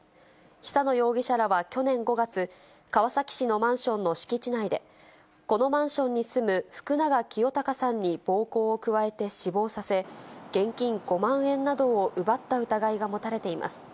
久野容疑者らは去年５月、川崎市のマンションの敷地内で、このマンションに住む福永清貴さんに暴行を加えて死亡させ、現金５万円などを奪った疑いが持たれています。